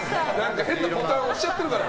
変なボタン、押しちゃってるから。